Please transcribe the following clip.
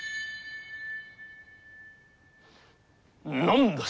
何だ？